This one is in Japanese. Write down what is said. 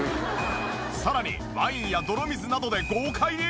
さらにワインや泥水などで豪快に！